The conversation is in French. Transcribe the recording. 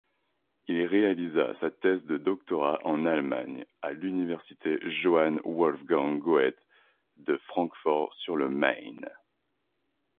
Il réalisa sa thèse de doctorat en Allemagne, à l'Université Johann-Wolfgang-Goethe de Francfort-sur-le-Main.